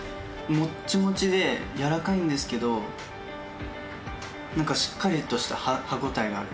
もっちもちで柔らかいんですけど、なんか、しっかりとした歯応えがある。